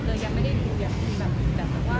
เรายังไม่ได้ดูอย่างคือแบบว่า